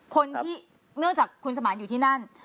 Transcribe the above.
คนที่เนื่องจากคุณสมานอยู่ที่นั่น